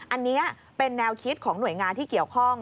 อันนี้เป็นแนวคิดของหน่วยงานที่เกี่ยวข้อง